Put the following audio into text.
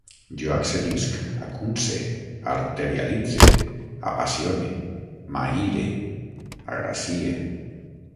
Jo accedisc, acunce, arterialitze, apassione, m'aïre, agracie